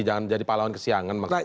jangan jadi pahlawan kesiangan maksudnya